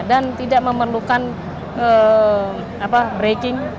dan tidak memerlukan braking